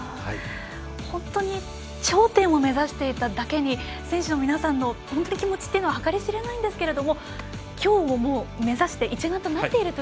本当に頂点を目指していただけに選手の皆さんの気持ちというのは計り知れないんですが今日目指して一丸となっていると。